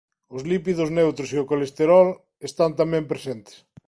Os lípidos neutros e o colesterol están tamén presentes.